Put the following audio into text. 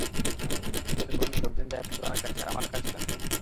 বিপদে পড়লে লোকজন যায় পূরণের কাছে আমার কাছে কেন?